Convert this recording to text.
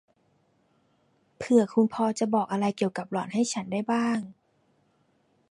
เผื่อคุณพอจะบอกอะไรเกี่ยวกับหล่อนให้ฉันได้บ้าง